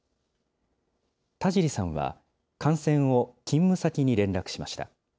田尻さんは、感染を勤務先に連絡しました。